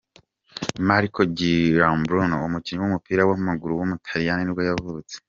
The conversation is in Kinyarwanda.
Marco Giambruno, umukinnyi w’umupira w’amaguru w’umutaliyani nibwo yavutse.